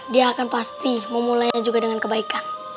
dia akan pasti memulainya juga dengan kebaikan